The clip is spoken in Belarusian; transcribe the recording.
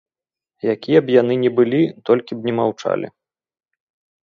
Якія б яны не былі, толькі б не маўчалі.